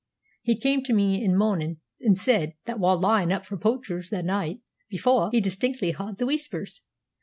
He cam' tae me ae mornin' an' said that while lyin' up for poachers the nicht afore, he distinc'ly h'ard the Whispers.